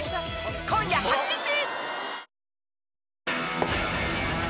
今夜８時。